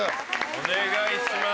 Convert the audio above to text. お願いしまー